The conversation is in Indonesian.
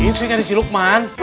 ini sih nyari si lukman